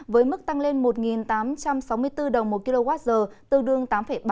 với mức tăng lên một tám trăm sáu mươi bốn đồng một kwh tương đương tám ba mươi sáu